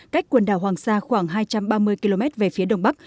cách quần đảo hoàng sa khoảng hai trăm ba mươi km về phía đông bắc